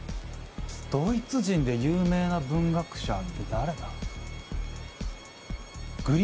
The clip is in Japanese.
ドイツ人で有名な文学者って誰だ。